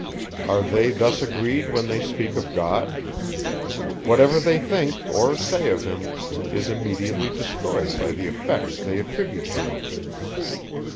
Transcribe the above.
Are they thus agreed when they speak of God? Whatever they think, or say of him, is immediately destroyed by the effects they attribute to him.